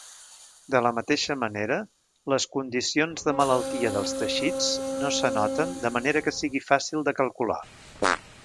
De la mateixa manera, les condicions de malaltia dels teixits no s'anoten de manera que sigui fàcil de calcular.